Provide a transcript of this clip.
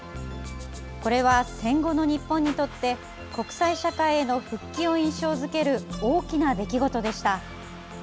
これは、戦後の日本にとって国際社会への復帰を印象づける大きな出来事でした。